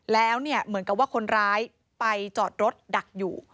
แล้วเหมือนกับว่าคนร้ายไปจอดรถดักอยู่